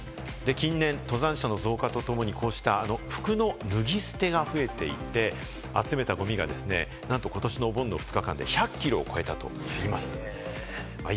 近年、登山者の増加とともに、こうした服の脱ぎ捨てが増えていて、集めたゴミが、なんと、ことしのお盆の２日間で１００ｋｇを超えたといいます。